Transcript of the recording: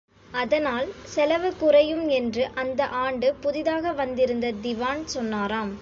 அதனால் செலவு குறையும் என்று அந்த ஆண்டு புதிதாக வந்திருந்த திவான் சொன்னாராம்.